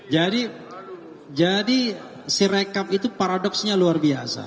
jadi syrekap itu paradoksnya luar biasa